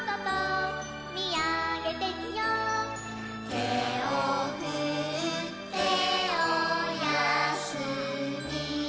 「てをふっておやすみ」